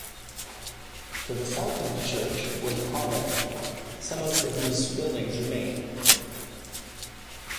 To the south of the church was a convent, some of whose buildings remain.